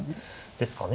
ですかね。